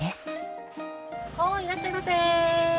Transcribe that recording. いらっしゃいませ。